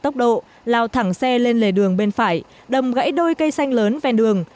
tốc độ lao thẳng xe lên lề đường bên phải đầm gãy đôi cây xanh lớn ven đường